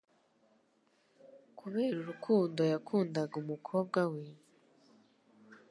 Kubera urukundo yakundaga umukobwa we,